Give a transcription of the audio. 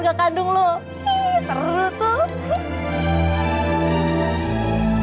saya masih masih